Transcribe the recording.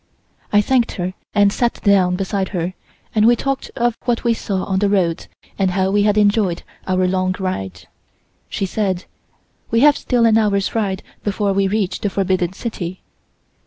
I thanked her and sat down beside her and we talked of what we saw on the roads and how we had enjoyed our long ride. She said: "We have still an hour's ride before we reach the Forbidden City."